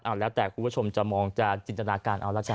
เอาแล้วแต่คุณผู้ชมจะมองจะจินตนาการเอาละกัน